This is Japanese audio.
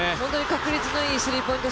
確率のいいスリーポイント